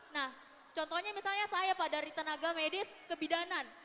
nah contohnya misalnya saya pak dari tenaga medis kebidanan